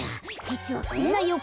じつはこんなよ